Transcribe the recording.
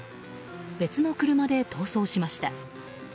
別の車で逃走しました。